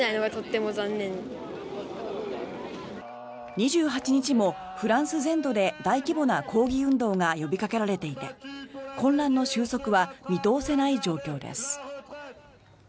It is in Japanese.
２８日もフランス全土で大規模な抗議運動が呼びかけられていて混乱の収束は見通せない状況です。